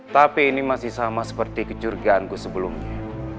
tapi ini masih sama seperti kecurigaanku sebelumnya